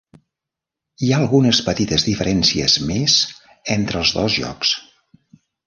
Hi ha algunes petites diferències més entre els dos jocs.